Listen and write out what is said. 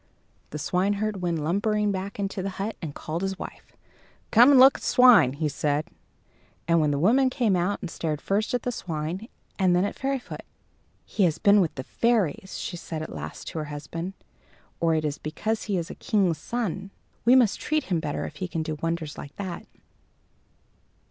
The swineherd went lumbering back into the hut, and called his wife. "Come and look at the swine," he said. And then the woman came out, and stared first at the swine and then at Fairyfoot. "He has been with the fairies," she said at last to her husband; "or it is because he is a king's son. We must treat him better if he can do wonders like that."